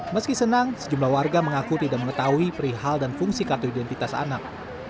meski senang sejumlah warga mengaku tidak mengetahui perihal dan fungsi kartu identitas anak